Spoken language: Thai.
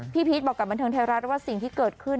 พีชบอกกับบันเทิงไทยรัฐว่าสิ่งที่เกิดขึ้น